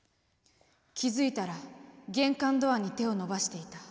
「気付いたら玄関ドアに手を伸ばしていた。